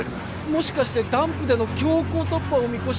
もしかしてダンプでの強行突破を見越し